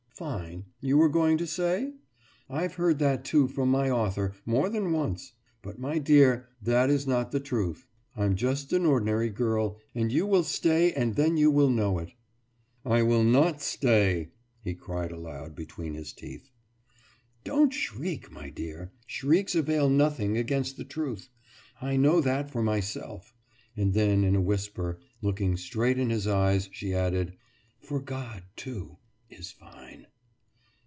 « »Fine, you were going to say? I've heard that too from my author, more than once. But, my dear, that is not the truth. I'm just an ordinary girl, and you will stay and then you will know it.« »I will not stay,« he cried aloud, between his teeth. »Don't shriek, my dear. Shrieks avail nothing against the truth I know that for myself.« And then in a whisper, looking straight in his eyes, she added: »For God, too, is fine!